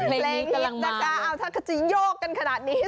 เพลงฮิตนะคะถ้าจะโยกกันขนาดนี้